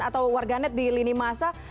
atau warganet di lini masa